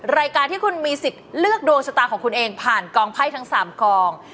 รายการที่คุณมีสิทธิ์เลือกดวงชะตาของคุณเองผ่านกองไพ่ทั้ง๓กอง